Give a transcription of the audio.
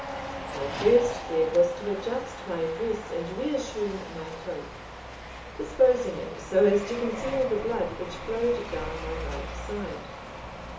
My first care was to adjust my dress and reassume my cloak, disposing it so as to conceal the blood which flowed down my right side.